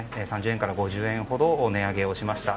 ３０円から５０円ほど値上げをしました。